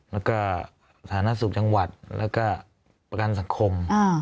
แล้วก็สาธารณสุขจังหวัดแล้วก็ประกันสังคม